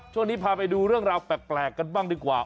ช่วงนี้พาไปดูเรื่องราวแปลกกันบ้างดีกว่า